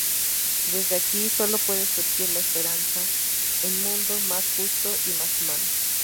Desde aquí, solo puede surgir la esperanza en mundo más justo y más humano.